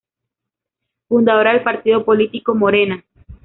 Fundadora del partido político Morena.